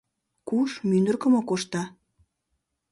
Куш, мӱндӱркӧ мо коштда?